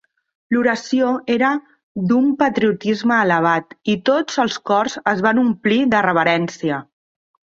L'oració era d'un patriotisme elevat i tots els cors es van omplir de reverència.